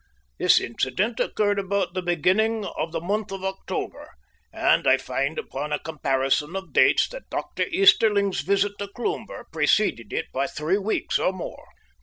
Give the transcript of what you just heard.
This incident occurred about the beginning of the month of October, and I find upon a comparison of dates that Dr. Easterling's visit to Cloomber preceded it by three weeks or more.